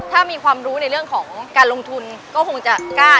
ถ้ามีความรู้ในเรื่องของการลงทุนก็คงจะกล้า